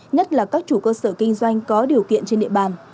nhất là các chủ cơ sở kinh doanh có điều kiện trên địa bàn